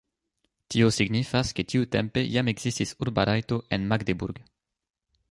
Tio signifas, ke tiutempe jam ekzistis urba rajto en Magdeburg.